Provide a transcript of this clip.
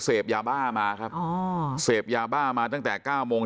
เสพยาบ้ามาครับอ๋อเสพยาบ้ามาตั้งแต่เก้าโมง